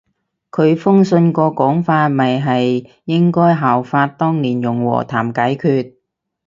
佢封信個講法咪係應該效法當年用和談解決